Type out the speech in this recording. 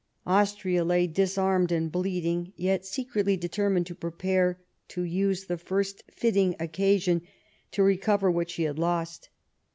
Austria lay disarmed and bleeding, yet secretly determined to prepare to use the first fitting occasion to recover what she had lost.